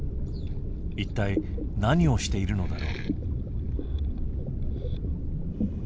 一体何をしているのだろう？